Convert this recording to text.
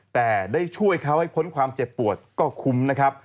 แต่ได้ช่วยเขาให้พ้นความเจ็บปวดก็คุ้มนะครับ